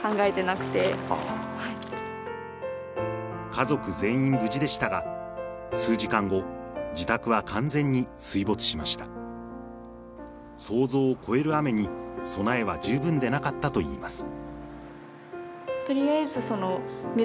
家族全員無事でしたが数時間後自宅は完全に水没しました想像を超える雨に備えは十分でなかったといいます